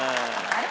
あれ？